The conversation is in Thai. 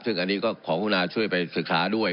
ซึ่งอันนี้ก็ขอคุณอาช่วยไปศึกษาด้วย